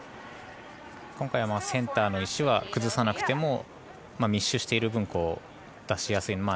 今回はセンターの石は崩さなくても密集している分、出しやすい。